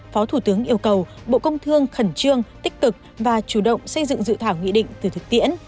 phó thủ tướng yêu cầu bộ công thương khẩn trương tích cực và chủ động xây dựng dự thảo nghị định từ thực tiễn